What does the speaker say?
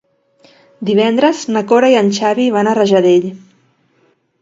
Divendres na Cora i en Xavi van a Rajadell.